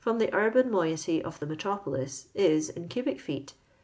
the urban moiety of the metro polis U (in cubic feet)